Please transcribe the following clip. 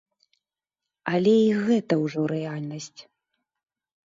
Але і гэта ўжо рэальнасць.